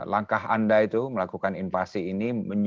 langkah anda itu melakukan invasi ini